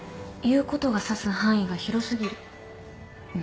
「言うこと」が指す範囲が広過ぎる。